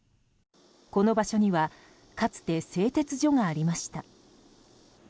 この場所にはかつて製鉄所がありました。